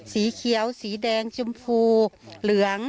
สีเขียวสีแดงชมพูเหลือง